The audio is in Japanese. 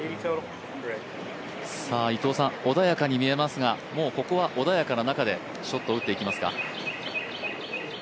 伊藤さん、穏やかに見えますが、もうここは穏やかな中でショットを打っていきますか？